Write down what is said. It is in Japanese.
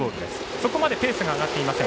そこまでペースが上がっていません。